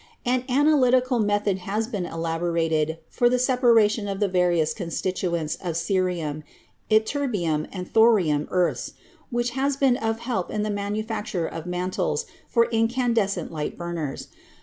An analytical method has been elab orated for the separation of the various constituents of the cerium, ytterbium and thorium earths, which has been of help in the manufacture of mantles for incandescent light burners.